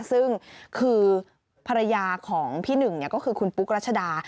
ซึ่งคือภรรยาของพี่หนึ่งก็คือคุณปุ๊กรัชดา